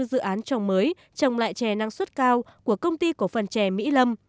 dự án trồng mới trồng lại trè năng suất cao của công ty của phần trè mỹ lâm